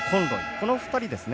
この２人ですね。